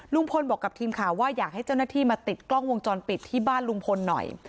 ลุงพลบอกกับทีมข่าวว่าอยากให้เจ้าหน้าที่มาติดกล้องวงจรปิดที่บ้านลุงพลหน่อย